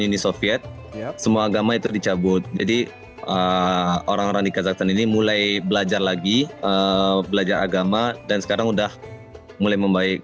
ini soviet semua agama itu dicabut jadi orang orang di kazahstan ini mulai belajar lagi belajar agama dan sekarang udah mulai membaik